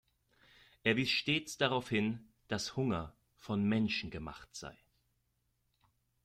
Er wies stets darauf hin, dass Hunger von Menschen gemacht sei.